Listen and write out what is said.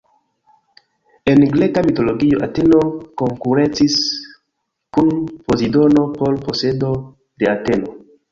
En Greka mitologio, Ateno konkurencis kun Pozidono por posedo de Ateno.